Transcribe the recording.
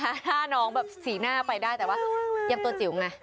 ถ้าน้องแบบสีหน้าไปได้แต่ว่ายังตัวจิ๋วไง